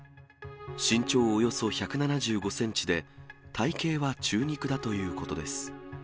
身長およそ１７５センチで、体形は中肉だということです。